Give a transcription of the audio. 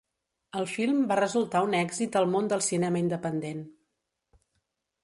El film va resultar un èxit al món del cinema independent.